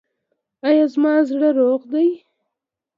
ایا زما زړه روغ دی؟